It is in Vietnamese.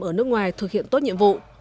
ở nước ngoài thực hiện tốt nhiệm vụ